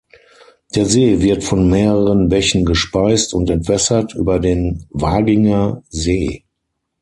Der See wird von mehreren Bächen gespeist und entwässert über den Waginger See.